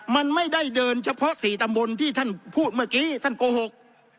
มันไม่ได้เดินเฉพาะสี่ตำบลที่ท่านพูดเมื่อกี้ท่านโกหก